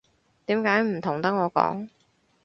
點解唔同得我講